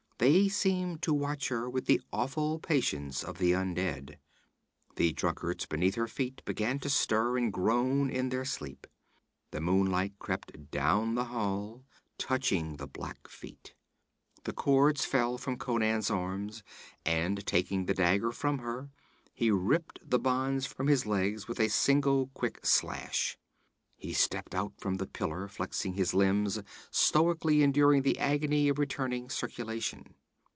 They seemed to watch her with the awful patience of the undead. The drunkards beneath her feet began to stir and groan in their sleep. The moonlight crept down the hall, touching the black feet. The cords fell from Conan's arms, and taking the dagger from her, he ripped the bonds from his legs with a single quick slash. He stepped out from the pillar, flexing his limbs, stoically enduring the agony of returning circulation.